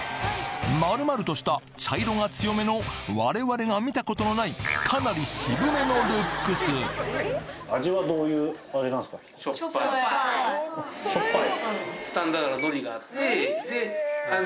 丸々とした茶色が強めの我々が見たことのないかなり渋めのルックス塩っぱい？